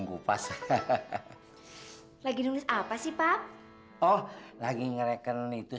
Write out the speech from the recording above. kepala ibu bapak calon mertua